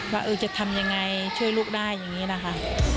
ว่าจะทำยังไงช่วยลูกได้อย่างนี้นะคะ